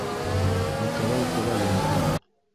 Николай КОВАЛЕНКО